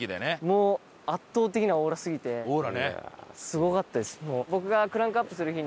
もう圧倒的なオーラすぎてすごかったです。